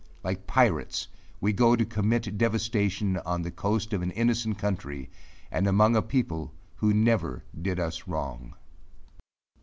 Like pirates we go to commit devastation on the coast of an innocent country, and among a people who never did us wrong.